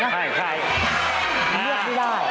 เลือกไม่ได้